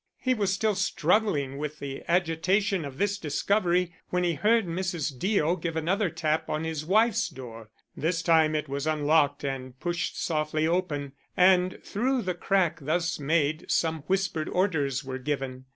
He was still struggling with the agitation of this discovery when he heard Mrs. Deo give another tap on his wife's door. This time it was unlocked and pushed softly open, and through the crack thus made some whispered orders were given.